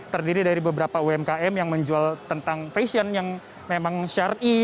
terdiri dari beberapa umkm yang menjual tentang fashion yang memang syari